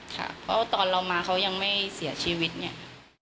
ค่ะเพราะตอนเรามาเขายังไม่เสียชีวิตเนี่ย